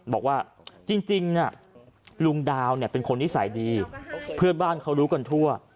บอกว่าจริงลุงดาวเนี่ยเป็นคนนิสัยดีเพื่อนบ้านเขารู้กันทั่ว